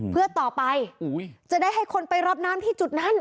เพื่อต่อไปจะได้ให้คนไปรับน้ำที่จุดนั้น